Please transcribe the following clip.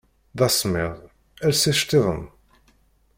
Dasemmiḍ, els icettiḍen!